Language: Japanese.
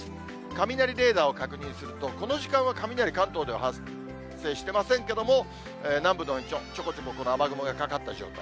雷レーダーを確認すると、この時間は雷、関東では発生してませんけども、南部のほうにちょこちょここの雨雲がかかった状態。